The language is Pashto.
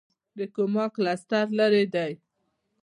د کوما کلسټر لیرې دی.